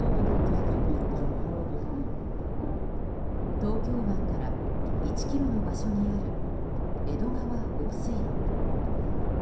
東京湾から１ｋｍの場所にある江戸川放水路。